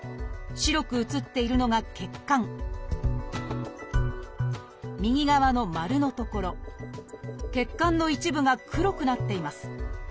白く写っているのが血管右側の丸の所血管の一部が黒くなっています。